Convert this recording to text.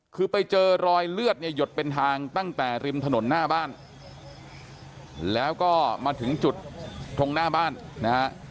คือไปเจอรอยเลือดเนี่ยหยดเป็นทางตั้งแต่ริมถนนหน้าบ้านแล้วก็มาถึงจุดตรงหน้าบ้านนะฮะ